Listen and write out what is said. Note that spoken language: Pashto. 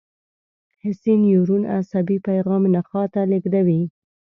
حسي نیورون عصبي پیغام نخاع ته لېږدوي.